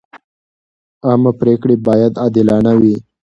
عامه پریکړې باید عادلانه وي.